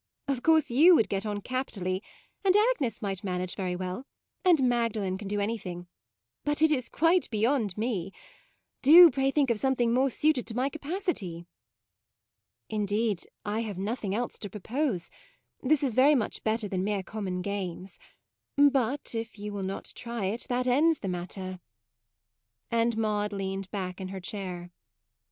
" Of course you would get on capitally, and Agnes might manage very well, and Magdalen can do any thing; but it is quite beyond me: do pray think of something more suited to my capacity." u Indeed I have nothing else to propose. This is very much better than mere common games ; but if you will not try it, that ends the 26 MAUDE matter": and Maude leaned back in her chair.